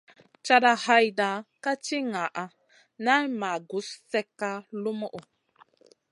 Cata hayta ka ti ŋaʼa naa may gus slèkka lumuʼu.